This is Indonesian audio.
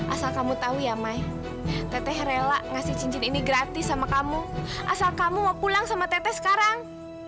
asal kamu tahu ya mai teteh rela ngasih cincin ini gratis sama kamu asal kamu mau pulang sama tete sekarang